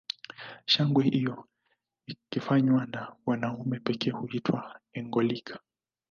Shangwe hiyo ikifanywa na wanaume pekee huitwa engoliga